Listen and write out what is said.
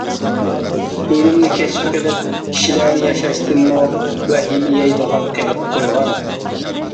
ئۆلۈمنى كەشىپ قىلىپ، كىشىلەرنى ياشاشتىنمۇ ۋەھىمە يەيدىغان قىلىپ قويغان.